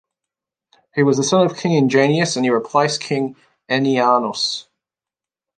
He was the son of King Ingenius and he replaced King Enniaunus.